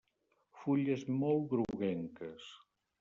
Fulles molt groguenques.